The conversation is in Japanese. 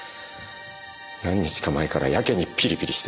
何日か前からやけにピリピリしてて。